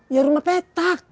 ya rumah petak